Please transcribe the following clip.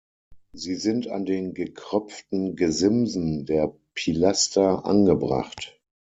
Sie sind an den gekröpften Gesimsen der Pilaster angebracht.